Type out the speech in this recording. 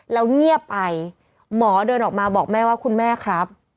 แล้วเงียบไปหมอเดินออกมาบอกแม่ว่าคุณแม่ครับ